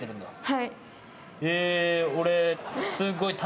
はい。